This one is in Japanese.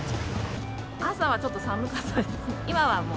朝はちょっと寒かったですね。